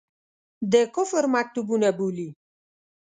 د کفر مکتبونه بولي.